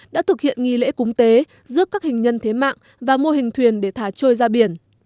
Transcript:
đã thực hiện nghi lễ cúng tế giúp các hình nhân thế mạng và mô hình thuyền để thả trôi ra biển